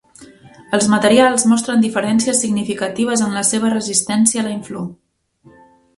Els materials mostren diferències significatives en la seva resistència a la inflor.